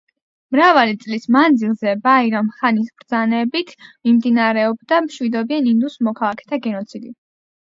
მრავალი წლის მანძილზე ბაირამ ხანის ბრძანებით მიმდინარეობდა მშვიდობიან ინდუს მოქალაქეთა გენოციდი.